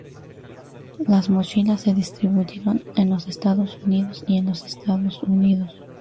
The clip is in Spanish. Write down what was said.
Las mochilas se distribuyeron en los Estados Unidos y en los Estados Unidos.